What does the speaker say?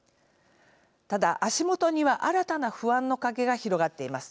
ただ足元には新たな不安の影が広がっています。